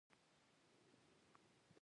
بوډا لويه ښېښه کش کړه.